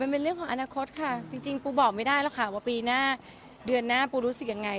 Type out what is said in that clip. มันเป็นเรื่องของอนาคตค่ะจริงปูบอกไม่ได้หรอกค่ะว่าปีหน้าเดือนหน้าปูรู้สึกยังไง